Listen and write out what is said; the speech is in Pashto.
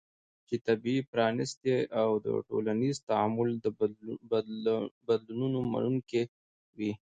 چې طبیعي، پرانستې او د ټولنیز تعامل د بدلونونو منونکې وي